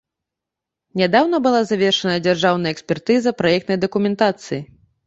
Нядаўна была завершана дзяржаўная экспертыза праектнай дакументацыі.